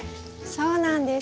そうなんです。